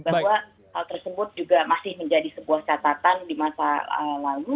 bahwa hal tersebut juga masih menjadi sebuah catatan di masa lalu